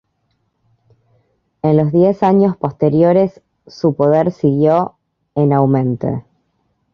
En los diez años posteriores su poder siguió en aumente.